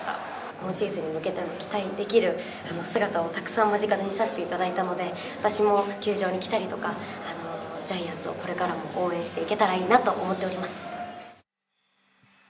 今シーズンに向けての期待できる姿をたくさん間近で見させていただいたので、私も球場に来たりとか、ジャイアンツをこれからも応援していけたらいいなと思っております。